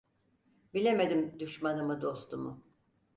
Bilemedim düşmanımı dostumu.